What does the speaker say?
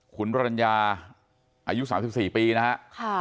คุณวรรณญาอายุ๓๔ปีนะฮะ